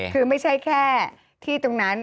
คือไม่ใช่แค่ที่ตรงนั้น